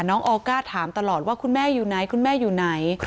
ออก้าถามตลอดว่าคุณแม่อยู่ไหนคุณแม่อยู่ไหน